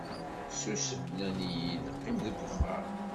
Susem, nnan-iyi-d qqim deg uxxam.